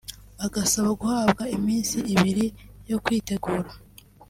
agasaba guhabwa iminsi ibiri yo kwitegura